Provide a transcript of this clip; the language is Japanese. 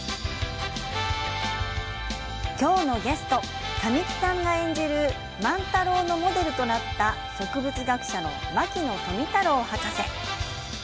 今日のゲスト神木さんが演じる万太郎のモデルとなった植物学者の牧野富太郎博士。